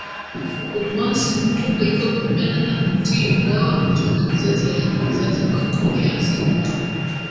Kumwasi Mungu kuliko kumpenda na Kumtii Ingawa toka kizazi hadi kizazi kwa kiasi kikubwa